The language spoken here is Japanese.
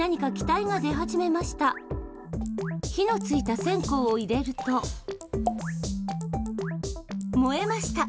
火のついた線香を入れると燃えました！